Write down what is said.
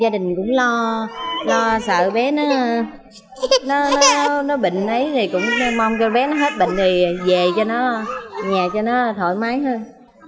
nếu nó hết bệnh thì về cho nó nhà cho nó thoải mái hơn